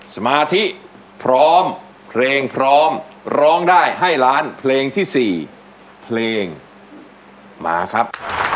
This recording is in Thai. สมาธิพร้อมเพลงพร้อมร้องได้ให้ล้านเพลงที่๔เพลงมาครับ